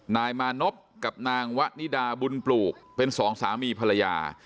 นายมานพกับนางวะนิดาบุญปลูกเป็นสองสามีภรรยา